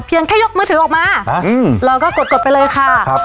แค่ยกมือถือออกมาเราก็กดกดไปเลยค่ะครับ